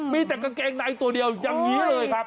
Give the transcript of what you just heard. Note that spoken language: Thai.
มีแต่กางเกงในตัวเดียวอย่างนี้เลยครับ